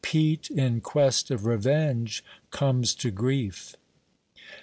PETE, IN QUEST OF REVENGE, COMES TO GRIEF.